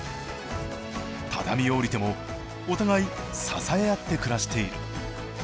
畳を下りてもお互い支え合って暮らしている。